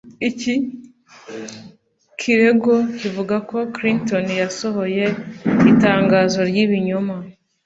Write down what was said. Iki kirego kivuga ko Clinton yasohoye itangazo ry’ibinyoma